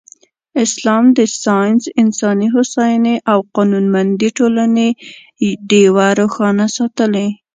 اسلام د ساینس، انساني هوساینې او قانونمندې ټولنې ډېوه روښانه ساتلې.